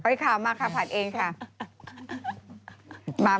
ขออีกข่าวมาค่ะผ่านเองค่ะ